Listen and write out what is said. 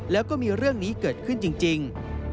แล้วก็มีเรื่องนี้เกิดขึ้นจริง